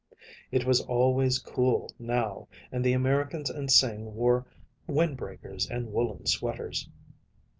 It was always cool now, and the Americans and Sing wore windbreakers and woolen sweaters.